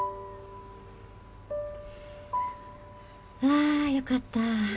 あよかった。